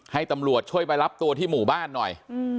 ให้ตำรวจช่วยไปรับตัวที่หมู่บ้านหน่อย